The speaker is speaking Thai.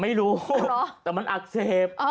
ไม่รู้แต่มันอักเสบ